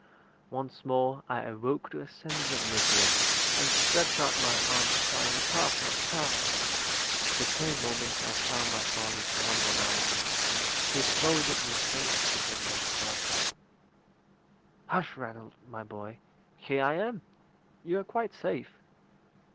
Once more I awoke to a sense of misery, and stretched out my arms, crying, "Papa! papa!" The same moment I found my father's arms around me; he folded me close to him, and said "Hush, Ranald, my boy! Here I am! You are quite safe."